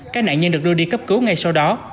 các nạn nhân được đưa đi cấp cứu ngay sau đó